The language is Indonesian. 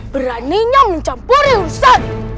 beraninya mencampuri urusan